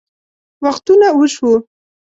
وختونه وشوه